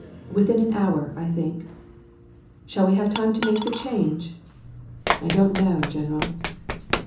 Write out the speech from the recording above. " Within an hour, I think." " Shall we have time to make the change ?"" I don't know, general."